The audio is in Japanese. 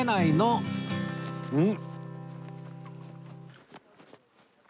うん！